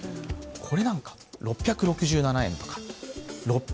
これなんか６６７円とか、６５０円。